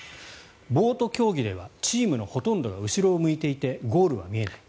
ボート競技ではチームのほとんどは後ろを向いていてゴールは見えない。